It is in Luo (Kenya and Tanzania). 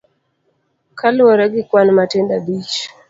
Kaluwore gi kwan matindo abich.